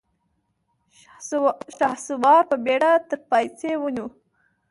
شهسوار په بېړه تر پايڅې ونيو.